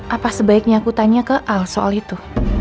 apa sebaiknya aku tanya ke al soal itu